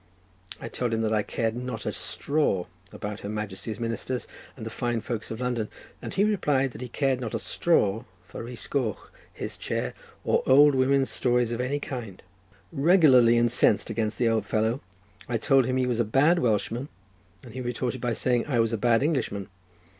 I told him that I cared not a straw about Her Majesty's ministers and the fine folks of London, and he replied that he cared not a straw for Rhys Goch, his chair, or old women's stories of any kind. Regularly incensed against the old fellow, I told him he was a bad Welshman, and he retorted by saying I was a bad Englishman.